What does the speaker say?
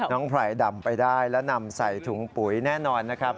ไพรดำไปได้และนำใส่ถุงปุ๋ยแน่นอนนะครับ